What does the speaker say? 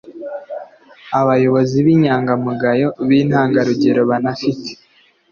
abayobozi b inyangamugayo b intangarugero banafite